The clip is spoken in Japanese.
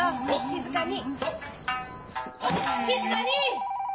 ☎静かに！